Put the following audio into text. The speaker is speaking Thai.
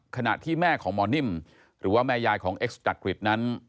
ขณะที่แม่ของหมอนิ่มหรือว่าแม่ยายของเอ็กซ์จักริตนั้น